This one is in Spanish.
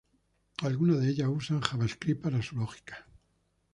Algunas de ellas usan JavaScript para su lógica.